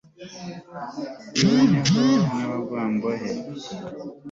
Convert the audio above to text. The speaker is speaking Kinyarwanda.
yibonereho ruhangwambone